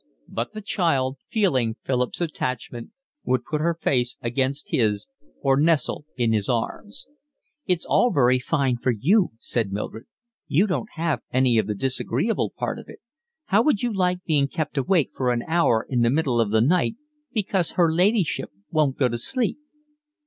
But the child, feeling Philip's attachment, would put her face against his or nestle in his arms. "It's all very fine for you," said Mildred. "You don't have any of the disagreeable part of it. How would you like being kept awake for an hour in the middle of the night because her ladyship wouldn't go to sleep?"